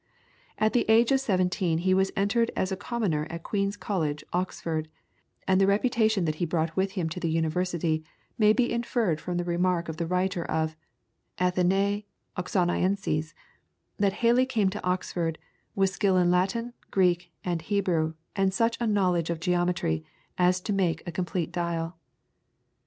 At the age of seventeen he was entered as a commoner at Queen's College, Oxford, and the reputation that he brought with him to the University may be inferred from the remark of the writer of "Athenae Oxonienses," that Halley came to Oxford "with skill in Latin, Greek, and Hebrew, and such a knowledge of geometry as to make a complete dial."